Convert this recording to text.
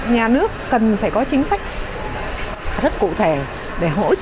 nhà nước cần phải có chính sách rất cụ thể